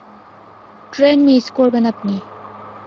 Train miss করবেন আপনি।